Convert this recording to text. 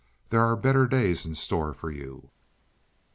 "There are better days in store for you."